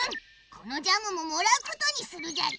このジャムももらうことにするじゃり。